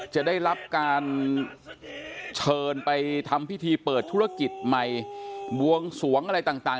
จะได้รับการเชิญไปทำพิธีเปิดธุรกิจใหม่บวงสวงอะไรต่าง